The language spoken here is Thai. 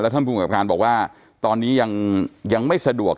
ท่านภูมิกับการบอกว่าตอนนี้ยังไม่สะดวก